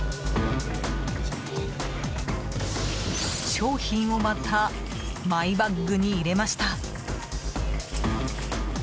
商品を、またマイバッグに入れました。